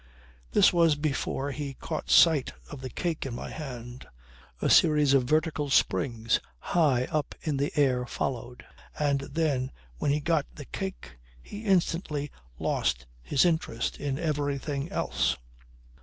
This was before he caught sight of the cake in my hand. A series of vertical springs high up in the air followed, and then, when he got the cake, he instantly lost his interest in everything else.